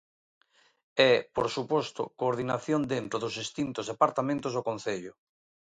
E, por suposto, coordinación dentro dos distintos departamentos do Concello.